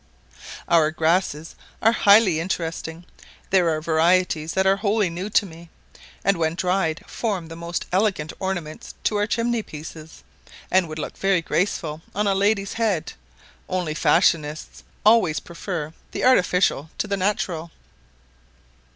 Our Grasses are highly interesting; there are varieties that are wholly new to me, and when dried form the most elegant ornaments to our chimney pieces, and would look very graceful on a lady's head; only fashionists always prefer the artificial to the natural.